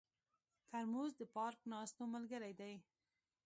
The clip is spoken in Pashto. ترموز د پارک ناستو ملګری دی.